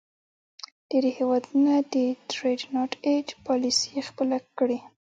ډیری هیوادونو د Trade not aid پالیسي خپله کړې.